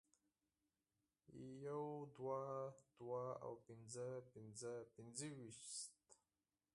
يو دوه دوه او پنځه پنځه پنځویشت